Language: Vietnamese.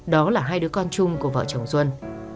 đó là hai đứa con chung của vợ chồng xuân